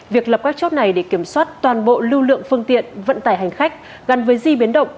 việc lập các chốt này để kiểm soát toàn bộ lưu lượng phương tiện vận tải hành khách gắn với di biến động